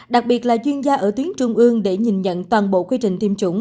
đặc biệt là chuyên gia ở tuyến trung ương để nhìn nhận toàn bộ quy trình tiêm chủng